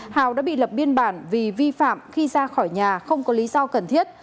hào đã bị lập biên bản vì vi phạm khi ra khỏi nhà không có lý do cần thiết